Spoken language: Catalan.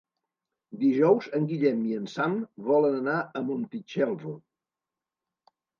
Dijous en Guillem i en Sam volen anar a Montitxelvo.